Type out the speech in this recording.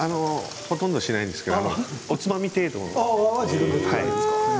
あまりしないんですけれどおつまみ程度で。